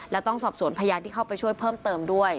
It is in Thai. และต้องสอบสวนพยานที่เข้าไปช่วยเพิ่มเติมด้วย